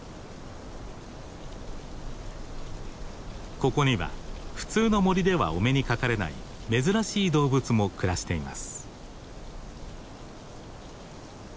ここには普通の森ではお目にかかれない珍しい動物も暮らしています。